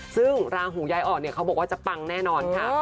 ซึ่งราหูยายอ่อนเนี่ยเขาบอกว่าจะปังแน่นอนค่ะ